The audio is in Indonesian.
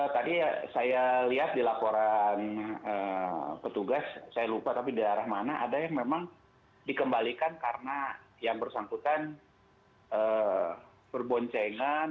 tadi saya lihat di laporan petugas saya lupa tapi di daerah mana ada yang memang dikembalikan karena yang bersangkutan berboncengan